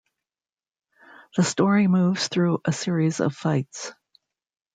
The story moves through a series of fights.